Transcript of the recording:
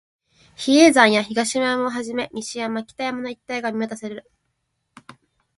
比叡山や東山をはじめ、西山、北山の一帯が見渡せる